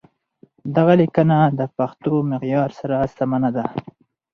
دغه ليکنه د پښتو معيار سره سمه نه ده.